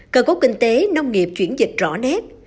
cơ cấu kinh tế nông nghiệp chuyển dịch rõ nét